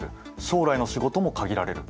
将来の仕事も限られる。